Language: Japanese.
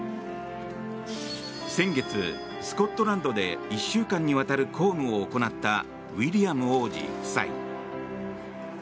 先月、スコットランドで１週間にわたる公務を行ったウィリアム王子夫妻。